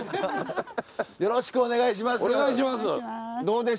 よろしくお願いします。